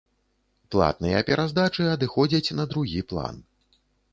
Платныя пераздачы адыходзяць на другі план.